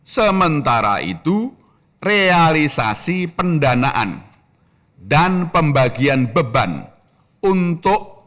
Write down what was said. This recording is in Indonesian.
sementara itu realisasi pendanaan dan pembagian beban untuk